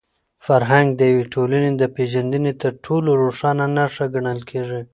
فرهنګ د یوې ټولني د پېژندني تر ټولو روښانه نښه ګڼل کېږي.